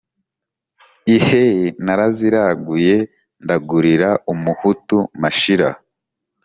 iheee! naraziraguye ndagurira umuhutu mashira